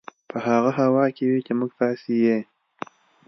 په هغه هوا کې وي چې موږ تاسې یې